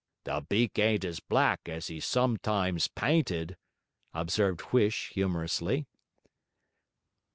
'The beak ain't as black as he's sometimes pynted,' observed Huish, humorously.